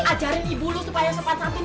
ajarin ibu lo supaya sepanjang ini yang bener ini